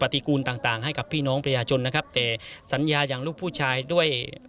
ติกูลต่างต่างให้กับพี่น้องประชาชนนะครับแต่สัญญาอย่างลูกผู้ชายด้วย